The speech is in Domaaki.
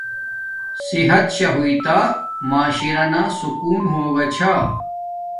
صحت شاہ ہوݵݵ تا معاشرانا سکون ہوگا چھا